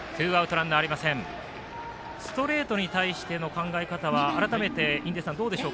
ストレートに対しての考え方は改めて印出さんどうでしょう。